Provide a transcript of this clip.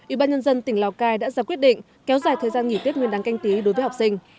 ubnd tỉnh lào cai đã ra quyết định kéo dài thời gian nghỉ tiết nguyên đáng canh tí đối với học sinh